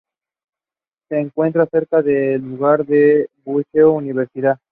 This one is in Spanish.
Se encuentra cerca del lugar de buceo "Universidad".